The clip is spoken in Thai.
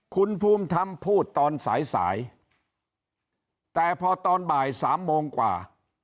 คุณภูมิธรรมพูดตอนสายสายแต่พอตอนบ่ายสามโมงกว่า